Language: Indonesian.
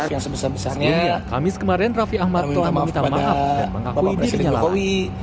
yang sebesar besarnya kami minta maaf kepada bapak presiden jokowi